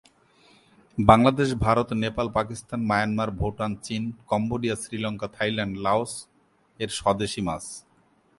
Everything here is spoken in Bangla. বাংলাদেশ, ভারত, নেপাল, পাকিস্তান, মায়ানমার, ভুটান, চীন, কম্বোডিয়া, শ্রীলঙ্কা, থাইল্যান্ড, লাওস এর স্বদেশী মাছ।